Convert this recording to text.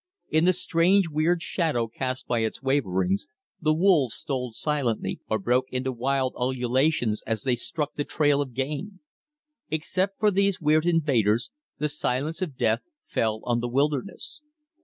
In the strange weird shadow cast by its waverings the wolves stole silently, or broke into wild ululations as they struck the trail of game. Except for these weird invaders, the silence of death fell on the wilderness.